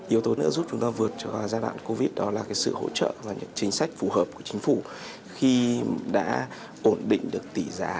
yếu tố nữa giúp chúng ta vượt cho giai đoạn covid đó là sự hỗ trợ và những chính sách phù hợp của chính phủ khi đã ổn định được tỷ giá